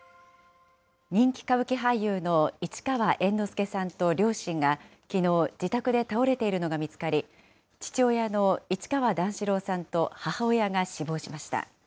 人気歌舞伎俳優の市川猿之助さんと両親が、きのう、自宅で倒れているのが見つかり、父親の市川段四郎さんと母親が死亡しました。